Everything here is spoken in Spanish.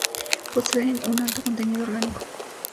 Poseen un alto contenido orgánico.